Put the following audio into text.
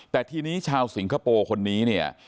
แต่ทีนี้ชาวสิงคโปร์คนนี้เนี่ย